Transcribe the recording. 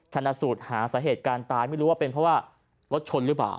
ชนะสูตรหาสาเหตุการณ์ตายไม่รู้ว่าเป็นเพราะว่ารถชนหรือเปล่า